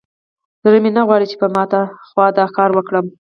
زړه مې نه غواړي چې په ماته خوا دا کار وکړم.